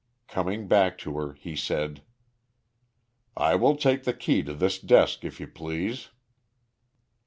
Coming back to her he said: "I will take the key to this desk, if you please."